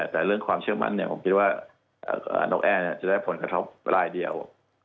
แต่เรื่องความเชื่อมั่นผมคิดว่านกแอร์จะได้ผลกระทบรายเดียว